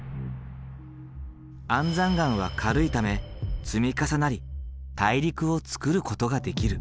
安山岩は軽いため積み重なり大陸をつくることができる。